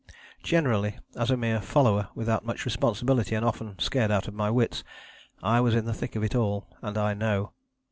Generally as a mere follower, without much responsibility, and often scared out of my wits, I was in the thick of it all, and I know.